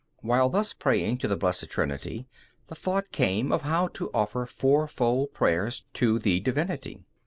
While thus praying to the Blessed Trinity, the thought came of how to offer fourfold prayers to the Divinity.